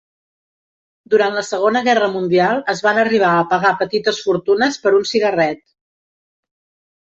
Durant la Segona Guerra Mundial es van arribar a pagar petites fortunes per un cigarret.